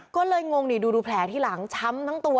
ก็เลยงงนี่ดูแผลที่หลังช้ำทั้งตัว